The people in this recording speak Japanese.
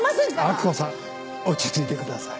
明子さん落ち着いてください。